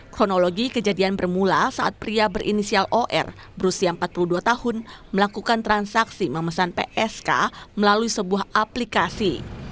kronologi kejadian bermula saat pria berinisial or berusia empat puluh dua tahun melakukan transaksi memesan psk melalui sebuah aplikasi